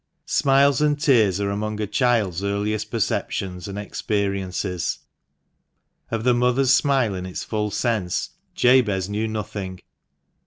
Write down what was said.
Smiles and tears are among a child's earliest perceptions and experiences. Of the mother's smile in its full sense Jabez knew nothing.